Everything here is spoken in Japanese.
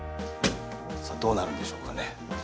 さあどうなるんでしょうかね